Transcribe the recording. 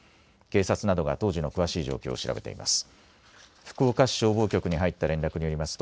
警察などが当時の詳しい状況を調べています。